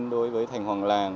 đối với thành hoàng làng